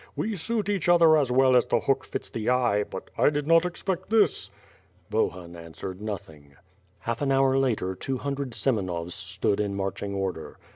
We suit each other as well as the hook fits the eye, but I did not expect this.'^ Bohun answered nothing. Half an hour later, two hundred Semenovs stood in march ing order.